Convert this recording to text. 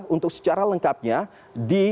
untuk secara lengkapnya di